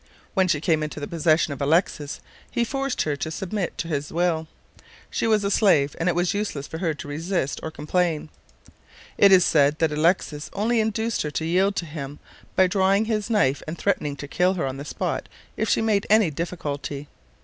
When she came into the possession of Alexis he forced her to submit to his will. She was a slave, and it was useless for her to resist or complain. It is said that Alexis only induced her to yield to him by drawing his knife and threatening to kill her on the spot if she made any difficulty.